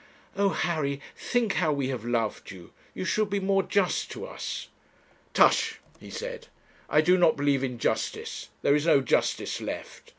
Oh! Harry, think how we have loved you! You should be more just to us.' 'Tush!' he said. 'I do not believe in justice; there is no justice left.